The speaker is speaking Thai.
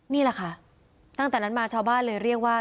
นี่แหละค่ะตั้งแต่นั้นมาชาวบ้านเลยเรียกว่า